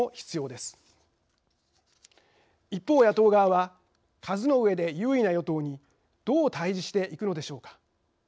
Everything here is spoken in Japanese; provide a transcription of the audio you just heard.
一方野党側は数の上で優位な与党にどう対じしていくのでしょうか。